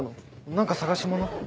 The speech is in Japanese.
何か捜し物？